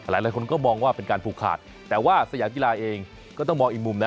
หลายคนก็มองว่าเป็นการผูกขาดแต่ว่าสยามกีฬาเองก็ต้องมองอีกมุมนะ